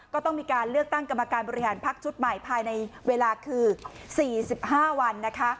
ก็ต้องมีการเลือกตั้งกรรมการบริหารพักชุดใหม่ภายในเวลาคือ๔๕วันนะคะ